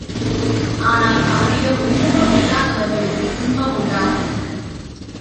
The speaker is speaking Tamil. ஆனால் அவரிடம் விருப்பம் இல்லாதவர்களுக்குத் துன்பம் உண்டாகும்.